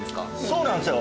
そうなんですよ。